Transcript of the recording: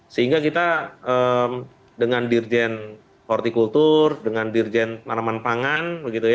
sehingga kita dengan dirjen hortikultur dengan dirjen tanaman pangan